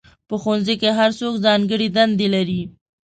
په ښوونځي کې هر څوک ځانګړې دندې لري.